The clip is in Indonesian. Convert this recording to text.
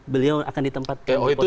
beliau akan ditempatkan di posisi yang lain